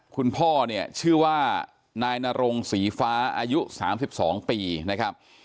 คุณพ่อเนี่ยชื่อว่านายนรงศรีฟ้าอายุ๓๒ปีนะครับ